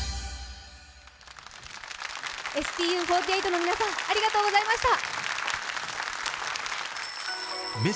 ＳＴＵ４８の皆さん、ありがとうございました。